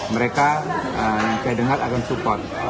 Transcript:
mereka yang saya dengar akan support